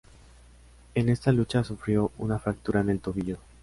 En esta lucha sufrió una fractura en el tobillo.